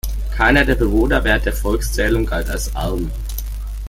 Keiner der Bewohner während der Volkszählung galt als arm.